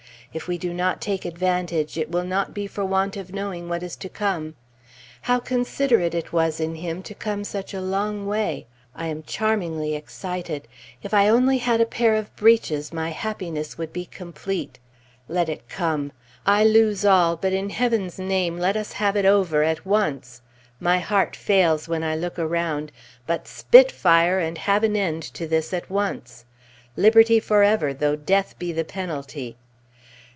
If we do not take advantage, it will not be for want of knowing what is to come. How considerate it was in him to come such a long way! I am charmingly excited! If I only had a pair of breeches, my happiness would be complete. Let it come! I lose all, but in Heaven's name let us have it over at once! My heart fails when I look around, but "Spit fire!" and have an end to this at once! Liberty forever, though death be the penalty.